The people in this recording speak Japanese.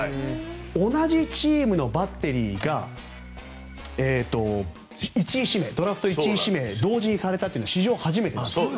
同じチームのバッテリーがドラフト１位指名を同時にされたというのは史上初めてなんです。